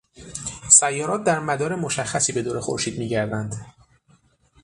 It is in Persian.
سیارات در مدار مشخصی به دور خورشید میگردند